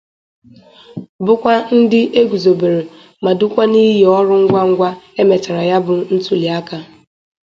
bụkwa ndị e guzobere ma dukwa n'iyi ọrụ ngwangwa e mechara ya bụ ntụliaka.